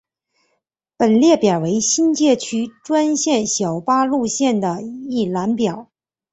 本列表为新界区专线小巴路线的一览表。